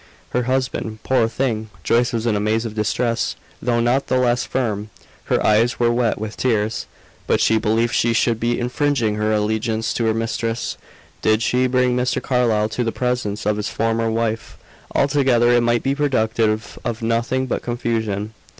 Her husband! Poor thing! Joyce was in a maze of distress, though not the less firm. Her eyes were wet with tears; but she believed she should be infringing her allegiance to her mistress did she bring Mr. Carlyle to the presence of his former wife; altogether it might be productive of nothing but confusion.